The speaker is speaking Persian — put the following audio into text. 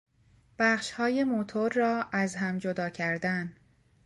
بخشهای موتور را از هم جدا کردن